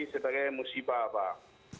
seperti musibah pak